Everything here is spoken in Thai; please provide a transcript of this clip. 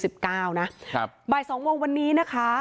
บ่าย๒วันวันนี้นะคะ